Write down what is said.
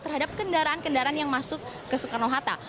terhadap kendaraan kendaraan yang masuk ke soekarno hatta